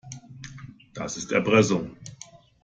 Das ist Erpressung.